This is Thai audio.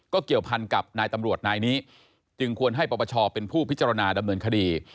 เกี่ยวพันกับนายตำรวจนายนี้จึงควรให้ปปชเป็นผู้พิจารณาดำเนินคดี